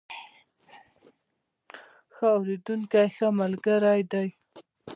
ښه اورېدونکي ښه ملګري دي.